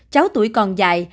cháu tuổi còn dài